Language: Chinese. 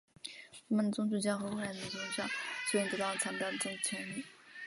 罗马的宗主教和后来的教宗逐渐得到强大的政治权力。